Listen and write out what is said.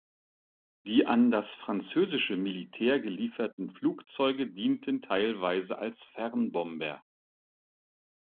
Die an das französische Militär gelieferten Flugzeuge dienten teilweise als Fernbomber.